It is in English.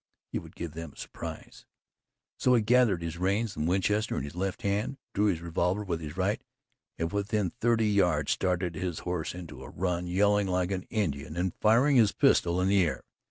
He would give them a surprise; so he gathered his reins and Winchester in his left hand, drew his revolver with his right, and within thirty yards started his horse into a run, yelling like an Indian and firing his pistol in the air.